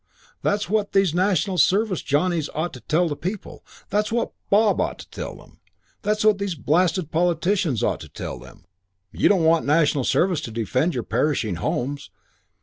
That's what these National Service Johnnies ought to tell the people, that's what Bobs ought to tell them, that's what these blasted politicians ought to tell them: you don't want National Service to defend your perishing homes.